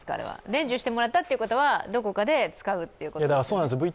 伝授してもらったということはどこかで使うということですよね。